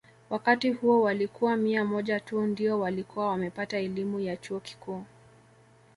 Wakati huo walikuwa mia moja tu ndio walikuwa wamepata elimu ya chuo kikuu